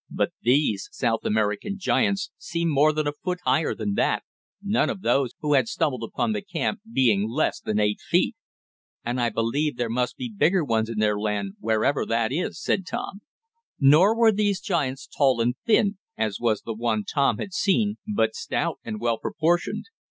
But these South American giants seemed more than a foot higher than that, none of those who had stumbled upon the camp being less than eight feet. "And I believe there must be bigger ones in their land, wherever that is," said Tom. Nor were these giants tall and thin, as was the one Tom had seen, but stout, and well proportioned.